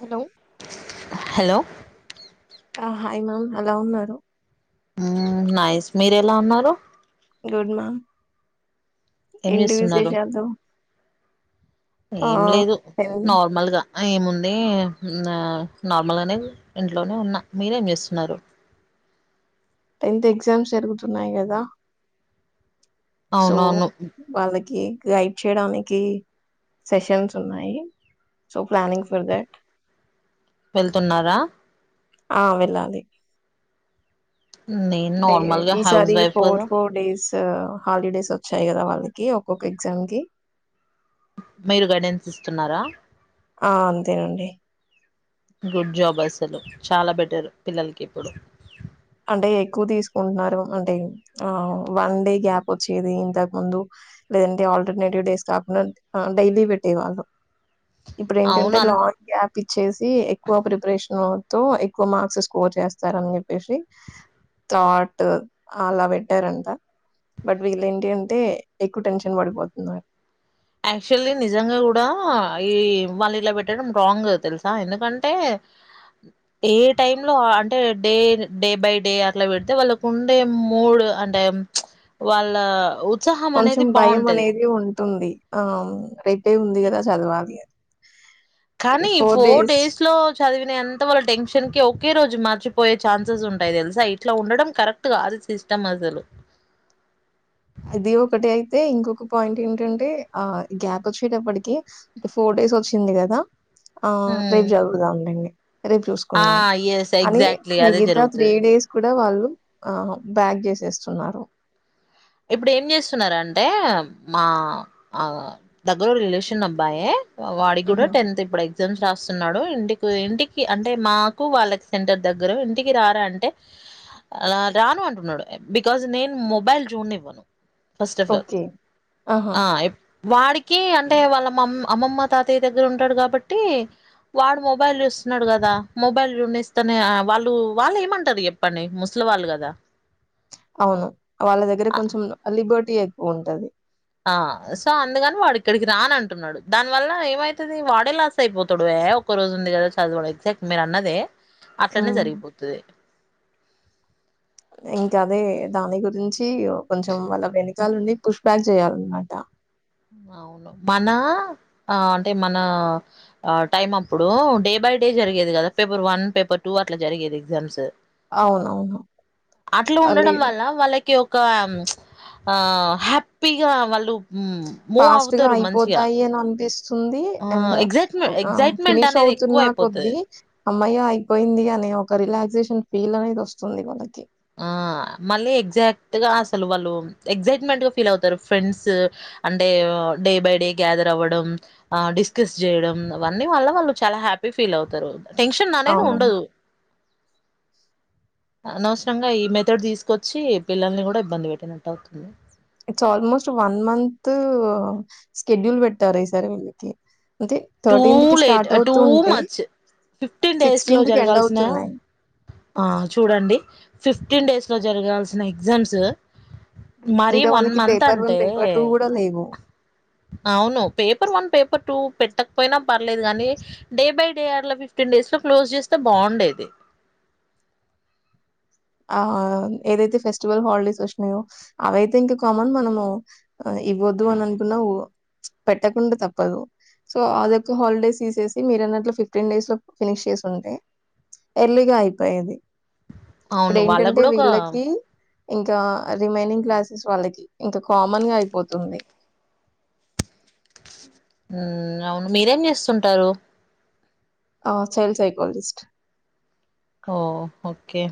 Hello hello ఆ hi ma'am ఎలా ఉన్నారు నయిస్ మీరు ఎలా ఉన్నారు గుడ్ మా ఏం ఇండివిజేష చేస్తున్నారు యాదవ ఏం లేదు టెన్ నార్మల్గా ఏముందే నార్మల్గానే ఇంట్లోనే ఉన్న మీరేం చేస్తున్నారు టెన్త్ ఎగ్జామ్స్ జరుగుతున్నాయి కదా సో అవునవును వాళ్ళకి గైబ్ చేయడానికి సెషన్స్ ఉన్నాయి సో ప్లానింగ్ ఫర్ దట్ వెళ్తున్నారా ఆ వెళ్ళాలి నేను అంటే నార్మల్గా హౌస్ ఈసారి వైఫ్ ఫోర్ కదా ఫోర్ డేస్ హాలిడేస్ వచ్చాయి కదా వాళ్ళకి ఒక్కొక్క ఎగ్జామ్ కి మీరు గైడెన్స్ ఇస్తున్నారా ఆ అంతేనండి గుడ్ జాబ్ అసలు చాలా బెటర్ పిల్లలకి ఇప్పుడు అంటే ఎక్కువ తీసుకుంటున్నారు అంటే ఆ వన్ డే గ్యాప్ వచ్చేది ఇంతకు ముందు లేదంటే ఆల్టర్నేటివ్ డేస్ కాకుండా డైలీ పెట్టేవాళ్ళు ఇప్పుడు అవును ఏంటంటే అన్ లాంగ్ గప్ ఇచ్చేసి ఎక్కువ ప్రిపరేషన్ తో ఎక్కువ మార్క్స్ స్కోర్ చేస్తారని చెప్పేసి చాట్ అలా పెట్టారుంత బట్ వీళ్ళ ఏంటి అంటే ఎక్కువ టెన్షన్ పడిపోతున్నారు యాక్చువల్లీ నిజంగా కూడా ఈ వాళ్ళు ఇలా పెట్టడం రాంగ్ తెలుసా ఎందుకంటే ఏ టైమ్ లో అంటే డే డే బై డే అట్లా పెడితే వాళ్ళకు ఉండే మూడు అంటే వాళ్ళ ఉత్సాహం కొంచెం అనేది భయం బాగుంటది అనేది ఉంటుంది ఆ రేపే ఉంది కదా చదవాలి కానీ ఫోర్ డేస్ లో చదివిన అంత వాళ్ళ టెన్షన్ కి ఒకే రోజు మర్చిపోయే ఛాన్సెస్ ఉంటాయి తెలుసా ఇట్లా ఉండడం కరెక్ట్ కాదు సిస్టమ్ అసలు [unintelligible] అది ఒకటి అయితే ఇంకొక పాయింట్ ఏంటంటే ఆ గ్యాప్ వచ్చేటప్పటికి ఫోర్ట్ డేస్ వచ్చింది కదా ఆ ఉమ్. రేపు జరుగుతా ఉండండి రేపు ఆ చూసుకుందాం ఎస్ అని ఎగ్జాక్ట్లీ అదే మిగతా త్రీ జరుగుతది డేస్ వాళ్ళు బ్యాగ్ చేసేస్తున్నారు ఇప్పుడు ఏం చేస్తున్నారంటే మా ఆ దగ్గర రిలేషన్ అబ్బాయే వాడి కూడా ఉహు టెన్త్ ఇప్పుడైంది ఎగ్జామ్స్ రాస్తున్నాడు ఇంటికి ఇంటికి అంటే మాకు వాళ్ళకి సెంటర్ దగ్గర ఇంటికి రారా అంటే అ రాను అంటున్నాడు బికాజ్ నేను మొబైల్ జోన్ ఇవ్వను ఫస్ట్ ఆఫ్ ఆల్ ఓకే ఆహా! ఆ వాడికి అంటే వాళ్ళ మా అమ్మమ్మ తాతయ్య దగ్గర ఉంటాడు కాబట్టి వాడు మొబైల్ ఇస్తున్నాడు కదా మొబైల్ ర ఇస్తనే వాళ్ళు వాళ్ళు ఏమంటారు చెప్పండి ముస్లిం వల్గాద అవును వాళ్ళ దగ్గర కొంచెం లిబర్టీ ఎక్కువ ఉంటది ఆ సో అందుగాని వాడు ఇక్కడికి రాని అంటున్నాడు దాని వల్ల ఏమైతుది వాడే లాస్ అయిపోతాడు ఒక్క రోజు ఉంది కదా చదవడం ఎగ్జాక్ట్ మీరు అన్నదే అట్లనే హ్మ్. జరిగిపోతుంది ఇంకా అదే దాని గురించి కొంచెం వాళ్ళ వెనుకాల ఉండి పుష్ బక్ జయల్నాడా అవును మన అంటే మన టైం అప్పుడు డే బై జరిగది కదా పేపర్ వన్ పేపర్ టూ అట్లా జరిగేది ఎగ్జామ్స్ అవునవును. అట్లా ఆహ్, ఉండడం లేదు వల్ల వాళ్ళ ఒక ఆ హ్యాపీగా వాళ్ళు మూవ్ ఫాస్ట్ గా అవుతారు మంచిగా అయిపోతాయి అని అనిపిస్తుంది ఆ అండ్ ఎగ్జైట్మె ఎగ్జైట్మెంట్ ఫినిష్ అనేది అవుతున్నా ఎక్కువ నా అయిపోతది కొద్ద్దీ అమ్మయ్య అయిపోయింది అనే ఒక రిలాక్సేషన్ ఫీల్ అనేది వస్తుంది వాళ్ళకి ఆ మళ్ళీ ఎగ్జాక్ట్ గా అసలు వాళ్ళు ఎక్ట్మెంట్ గా ఫీల్ అవుతారు ఫ్రెండ్స్ అంటే డే బై డే గ్యాదర్ అవ్వడం డిస్కస్ చేయడం అవన్నీ వల్ల వాళ్ళు చాలా హ హ ఫీల్ అతారు టెన్షన్ అనేది అవును. ఉండదుే కంగా ఈ మెథడ్ తీసుకొచ్చి పిల్లల్ని కూడా ఇబ్బంది పెట్టినట్టు అవుతుంది it's almost one month schedule పెట్టారు ఈ సారి వీళ్ళకి అంటే టూ లేలట్ స్టార్ట్ టూ అవుతూ ఉంటే మచ్ ఫిఫ్టీన్ డేస్ లో సిక్స్టీన్త్ కి ఎండ్ జరగాల్సిన అవుతున్నాయి. చూడండి ఫిఫ్టీన్ డేస్ లో జరగాల్సిన ఎగ్జామ్స్ మరి ఇంకా వన్ వాళ్ళకి మంత్ పేపర్ వన్, అంటే పేపర్ టూ కూడా లేవు. అవును పేపర్ వన్ పేపర్ టూ పెట్ట పోయినా పర్లేదు కాగానీ డే బై డే అట్లా ఫిఫ్టీన్ డేస్ లో క్లోజ్ చేస్తే బాగుండేది [unintelligible] ఆ ఏదైతే ఫెస్టివల్ హాలిడేస్ వచ్చినయో అవియితే ఇంకా కామన్ మనము ఇవ్వద్దు అని అనుకున్నావు పెట్టకుండా తప్పదు సో అద హాలిడేస్ తీసేసి మీరు అన్నట్లో ఫిఫ్టీన్ డేస్ లో ఫినిష్ చేసి ఉంటే ఎర్లీగా అయిపోయేది ఇప్పుడు అవును. వాళ్ళకి ఏంటంటే గూడా ఒక వీళ్ళకి ఇంకా రిమైనింగ్ క్లాసెస్ వాళ్ళకి ఇంకా కామన్ గా అయిపోతుంది అవును మీరేం చేస్తుంటారు child psychologist oh okay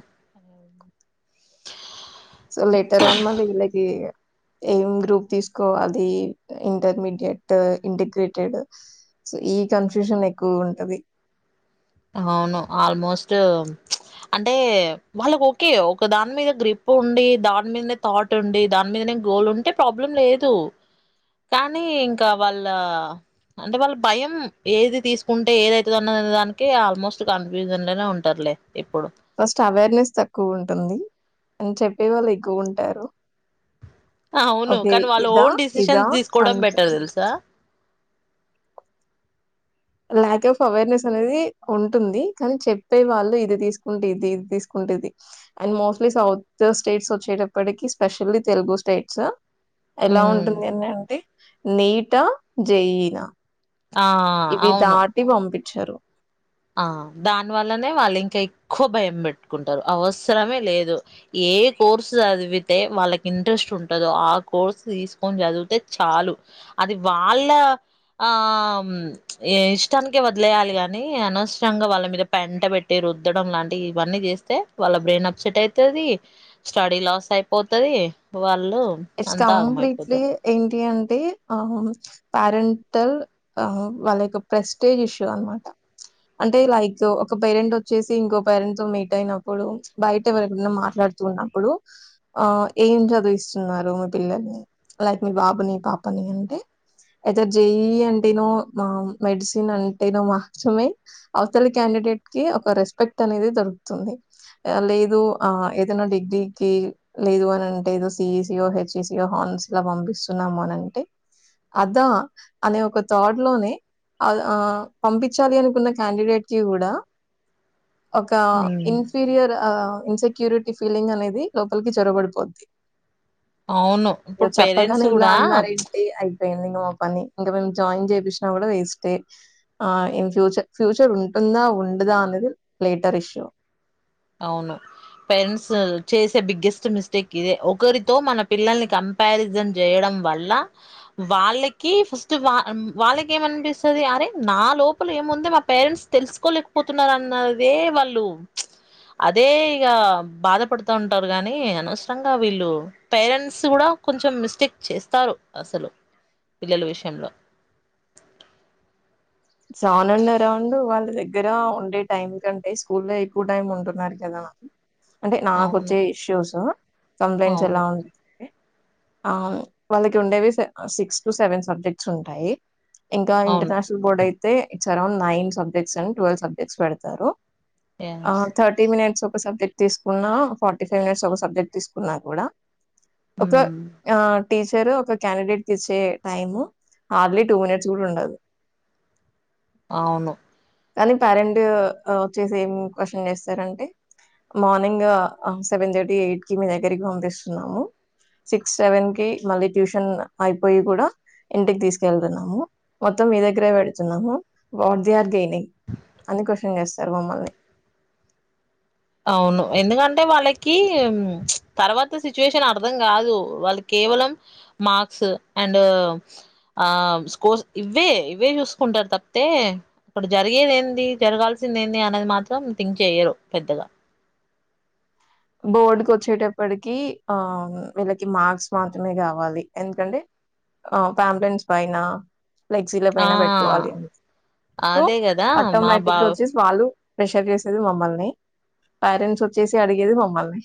so later అన్ మళ్ళ ఇలాగ ఏం గ్రూప్ తీసుకోవాలి ఇంటర్మీడియట్ ఇంటిగ్రేటెడ్ సో ఈ కన్ఫ్యూషన్ ఎక్కువ ఉంటది అవును ఆల్మోస్ట్ అంటే వాళ్ళకు ఓకే ఒక దాని మీద గ్రిప్ ఉండి దాని మీదనే తాట్ ఉండి దాని మీదనే గోల్ ఉంటే ప్రాబ్లం లేదు కానీ ఇంకా వాళ్ళ అంటే వాళ్ళు భయం ఏది తీసుకుంటే ఏదైతున్న దానికి ఆల్మోస్ట్ కన్ఫ్యూజన్ లోనే ఉంటారులే ఇప్పుడు. ఫస్ట్ అవేర్నెస్ తక్కువ ఉంటుంది అని చెప్పే వాళ్ళు ఎక్కువ ఉంటారు అవును ఓకే కానీ వాళ్ళు ఇదా ఓన్ ఇదా డిసిషన్స్ తీసుకోవడం అను బెటర్ తెలుసా ల్యాక్ ఆఫ్ అవేర్నెస్ అనేది ఉంటుంది కానీ చెప్పే వాళ్ళు ఇది తీసుకుంటే ఇది ఇది తీసుకుంట ఉంది అండ్ మోస్ట్లీ సౌత్ స్టేట్స్ వచ్చేటప్పటికి స్పెషల్లీ తెలుగు స్టేట్స్ ఎలా ఉమ్ ఉంటుంది అంట అంటే నీటా జయినా ఆ ఇవి అవును దాటి పంపించారు ఆ దాని వల్లనే వాళ్ళు ఇంకా ఎక్కువ భయం పెట్టుకుంటారు అవసరమే లేదు ఏ కోర్సు చదివితే వాళ్ళకి ఇంట్రెస్ట్ ఉంటుందో ఆ కోర్సు తీసుకొని చదివితే చాలు అది వాళ్ళ ఆ ఇష్టానికే వదిలేయాలి గాని అనవసరంగా వాళ్ళ మీద పెంట పెట్టి రుద్దడం లాంటివి ఇవన్నీ చేస్తే వాళ్ళ బ్రెయిన్ అప్సెట్ అవుతది స్టడీ లాస్ అయిపోతుంది వాళ ఇట్స్ కంప్లీట్లీ ఇండియన్ అంటే ఆ పారెంటల్ వాళ్ళ యొక్క ప్రెస్టేజ్ ఇష్యూ అనమాట అంటే లైక్ ఒక పేరెంట్ వచ్చేసి ఇంకో పేరెంట్ తో మీట్ అయినప్పుడు బయట ఎవరనా మాట్లాడినప్పుడు ఆ ఏం చదివిస్తున్నారు మీ పిల్లల్ని లైక్ మీ బాబుని పాపని అంటే ఏద జేఈ అంటేనో మెడిసిన్ అంటేనో మాత్రమే అవతల వ్యక్తికి ఒక రెస్పెక్ట్ అనేది దొరుకుతుంది లేదు ఆ ఏదైనా డిగ్రీకి లేదు అని అంటే ఏదో సిఈసియో హెచ్సియో హార్న్స్ లా పంపిస్తున్నాము అని అంటే అద అనే ఒక తోడ్ లోనే పంపించాలి అనుకున్న క్యాండిడేట్ కి కూడా ఒక ఉమ్ ఇన్ఫీరియర్ ఇన్సెక్యూరిటీ ఫీలింగ్ అనేది లోపలికి చొరగబడిపోద్ది అవును ఇప్పుడు పేరెంట్స్ చెప్పగానే ఇలా కూడా అన్నార ఏంటి అయి ట్రైనింగ్ ఆఫని ఇంకా మేము జాయిన్ చేయిచినా కూడా వేస్ట్ ఆ ఇన్ ఫ్యూచర్ ఫ్యూచర్ ఉంటుందా ఉండదా అనేది లేటర్ ఇష్యూ అవును పేరెంట్స్ చేసే బిగ్గెస్ట్ మిస్టేక్ ఇదే ఒకరితో మన పిల్లల్ని కంపారిజన్ చేయడం వల్ల వాళ్ళకి ఫస్ట్ వాళ్ళకి ఏమనిపిస్తుంది అరే నా లోపల ఏముంది మా పేరెంట్స్ తెలుసుకోలేకపోతున్నారు అన్నదే వాళ్ళు అదే ఇక బాధపడుతా ఉంటారు గాని అనవసరంగా వీళ్ళు పేరెంట్స్ కూడా సో మిస్టేక్ చేస్తారు అసలు పిల్లల విషయంలో ఉ చానుండ అరౌండ్ వాళ్ళ దగ్గర ఉండే టైం కంటే స్కూలో ఎక్కువ టైం ఉంటున్నారు కదా అంటే అవును నాకుచ్చే ఇష్యూస్ కంప్లైంట్స్ అవును ఎలా ఉంటాయి ఆ వాళ్ళకి ఉండేవి సిక్స్ టు సెవెన్ సబ్జెక్ట్స్ ఉంటాయి ఇంకా అవును ఇంటర్నేషనల్ బోర్డ్ అయితే it's around nine subjects and twelve subjects పెడతారు ఆ ఎస్ థర్టీ మినిట్స్ ఒక సబ్జెక్ట్ తీసుకున్నా ఫార్టీ ఫైవ్ మినిట్స్ ఒక సబ్జెక్ట్ తీసుకున్నా కూడా ఒక మ్మ్ ఆ టీచర్ ఒక క్యాండిడేట్ కి ఇచ్చే టైము హార్లీ టూ మినిట్స్ కూడా ఉండదు అవును కానీ పేరెంట్ వచ్చేసి ఏం క్వశ్చన్ చేస్తారంటే మార్నింగ్ సెవెన్ థర్టీ ఎయిట్ కి మీ దగ్గరికి పంపిస్తున్నాము సిక్స్ సెవెన్ కి మళ్ళీ ట్యూషన్ అయిపోయి కూడా ఇంటికి తీసుకెళ్తున్నాము మొత్తం మీ దగ్గరే పెడుతున్నాము వాట్ ది ఆర్ గెనింగ్ అని క్వశ్న్స్త సర్ మమ్మల్ని అవును ఎందుకంటే వాళ్ళకి తర్వాత సిచ్యువేషన్ అర్థం కాదు వాళ్ళకి కేవలం మార్స్ అండ్ ఆ స్కోర్స్ ఇవ్వే ఇవే చూసుకుంటారు తప్పతే అక్కడ జరిగేదంది జరగాల్సిిన ఏ అనేది మాత్రం థింక్ చేయ్యరు పెద్దగా బోర్డుకు వచ్చేటప్పటికి ఆ వీళ్ళకి మార్క్స్ మాత్రమే కావాలి ఎందుకంటే ఆ ఫ్యాబలెన్స్ ఫైనా ఫ్లెగజీల ఆ పైన పెట్టుకోవాలి అని సో అదే కదా మా బావ ఆటోమేటిక్గా వచ్చేసి వాళ్ళు ప్రెషర్ చేసేది మమ్మల్ని ప్యరెంట్స్ వచ్చేసి అడిగేది మమ్మల్ని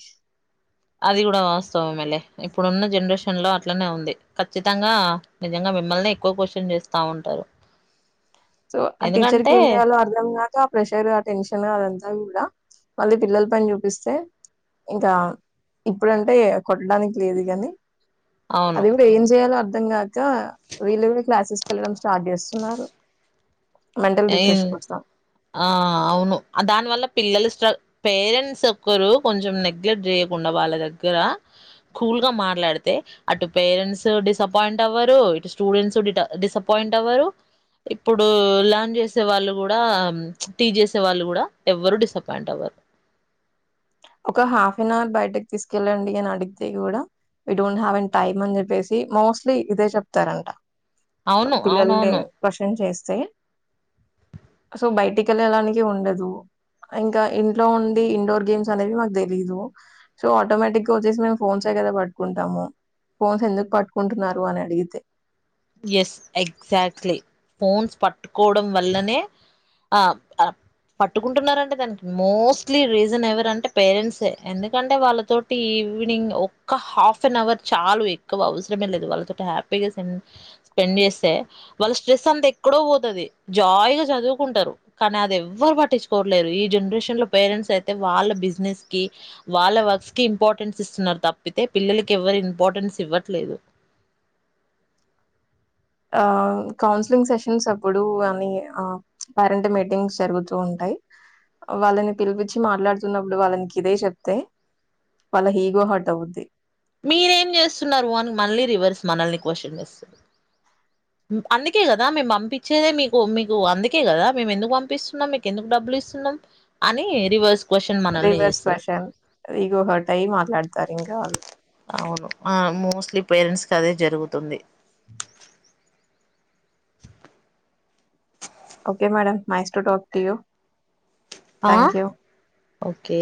అది కూడా వాస్తవం మళ ఇప్పుడున్న జనరేషన్ లో అట్లానే ఉంది ఖచ్చితంగా నిజంగా మిమ్మల్నే ఎక్కువ క్వశ్చన్ చేస్తా ఉంటారు సో ఆ టీచర్ క ఎందుకంటే ఏం చేయాలో అర్ధం కాక ఆ ప్రెషర్ ఆ టెన్షన్ అదంతా కూడా మళ్ళీ పిల్లల పని చూపిస్తే ఇంకా ఇప్పుడంటే కొట్టడానికి లేదు కాని అవును అది ఇ కూడాడు ఏం చేయలో అ అధంంగాక వీళ్ళు కూడా క్లాసెస్కి వెళ్ళడం స్టార్ట్ చేస్తున్నారు మెంటల్ రిఫ్రెష్ కోసం ఆ అవును దానివల్ల పిల్లలు స్ట పేరెంట్స్ ఒక్కరు కొంచెం నెగ్లెక్ట్ చేయకుండా వాళ్ళ దగ్గర కూల్ గా మాట్లాడితే అటు పేరెంట్స్ డిసప్పయింట్ అవ్వరు ఇటు స్టూడెంట్స్ డిసప్పయి పాయింట్ అవరు ఇప్పుడు ల చేసే వాళ్ళు కూడా టీ చేసే వాళ్ళు కూడా ఎవ్వరు డిసప్పాయింట్ అవ్వరు ఒక హాఫ్ అన్ అవర్ బయటకి తీసుకెళ్ళండి అని అడిగితే కూడా we don't have N time అని చెప్పేసి మోస్ట్లీ ఇదే చెప్తారంట సో అవును పిల్లల అవునవును క్వశ్చన్ చేస్తే సో బయటికి వెళ్ళలానికి ఉండదు ఇంకా ఇంట్లో ఉండి ఇండోర్ గేమ్స్ అనేవి మాకు తెలీదు సో ఆటోమేటిక్ గా వచ్చేసి మేము ఫోన్స్ే కదా పట్టుకుంటాము ఫోన్స్ ఎందుకు పట్టుకుంటున్నారు అని అడిగితే ఎస్ ఎగ్జాక్ట్లీ ఫోన్స్ పట్టుకోవడం వల్లనే ఆ ఆ పట్టుకుంటున్నారంటే దానికి మోస్ట్లీ రీజన్ ఎవరరు అంటే పేరెంట్సే ఎందుకంటే వాళ్ళతోటి ఈవినింగ్ ఒక్క హాఫ్ అన్ అవర్ చాలు ఎక్కువ అవసరమే లేదు వాళ్ళతో హ్యాపీగాం స్పెండ్ చేస్తే వాళ్ళ స్ట్రెస్ అంత ఎక్కడో పోతుది జాాలీగా చదువుకుంటారు కానీ ఎవ్వరు పట్టించుకోట్లేరు ఈ జనరేషన్ లో పేరెంట్స్ అయితే వాళ్ళ బిజినెస్ కి వాళ్ళ వర్క్స్ కి ఇంపార్టెన్స్ ఇస్తున్నారు తప్పితే పిల్లలకి ఎవ్వరి ఇంపార్టెన్స్ ఇవ్వట్లేదు ఆ కౌన్సిలింగ్ సెషన్స్ అప్పుడు అని ఆ పేరెంట్ మీటింగ్స్ జరుగుతూ ఉంటాయి వాళ్ళని పిలిపచ్చి మాట్లాడుతున్నప్పుడు వాళ్ళకి ఇదే చెప్తే వాళ్ళ ఈగో హర్ట్ అవవుద్ది మీరేం చేస్తున్నారు అని మనని రివర్స్ మనల్ని క్వశ్చన్ చేస్తుంది అందుకే కదా మేము పంపించేదే మీకు మీకు అందుకే కదా మేము ఎందుకు పంపిస్తున్నాం మీకు ఎందుకు డబ్బులు సున్న అని రివర్స్ క్వశ్చన్ మనల్ని రివర్స్ చేస్తారు పర్సన్ ఇగో హట్ అయి మాట్లాడుతారు ఇంకా అవును ఆ మోస్ట్లీ పేరెంట్స్ కి అదే జరుగుతుంది okay madam nice to talk to you ఆ థాంక్ యూ. ఓకే